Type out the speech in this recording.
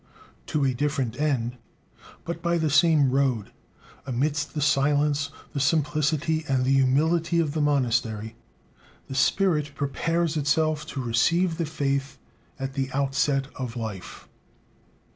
To a different end, but by the same road, amidst the silence, the simplicity, and the humility of the monastery, the spirit prepares itself to receive the faith at the outset of life.